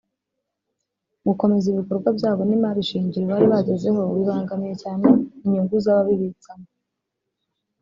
"Gukomeza ibikorwa byabo n’imari shingiro bari bagezeho bibangamiye cyane inyungu z’abazibitsamo